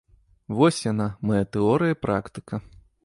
Вось яна, мая тэорыя і практыка.